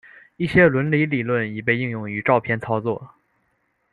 一些伦理理论已被应用于照片操作。